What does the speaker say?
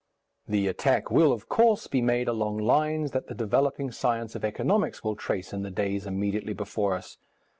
The attack will, of course, be made along lines that the developing science of economics will trace in the days immediately before us.